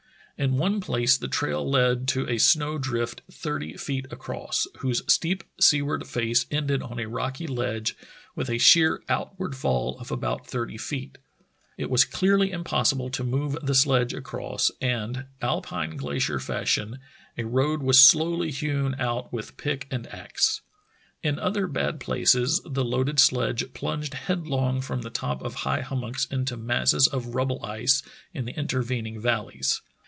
In one place the trail led to a snow drift thirty feet across, whose steep seaward face ended on a rocky ledge with a sheer outward fall of about thirt}^ feet. It was clearly impossible to move the sledge across, and, Alpine glacier fashion, a road was slowly hewn out with pick and axe. In other bad places the loaded sledge plunged headlong from the top of high hummocks into masses of rubble ice in the intervening valleys.